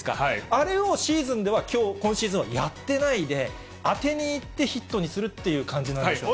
あれをシーズンでは今シーズンはやってないで、当てにいって、ヒットにするっていう感じなんでしょうかね。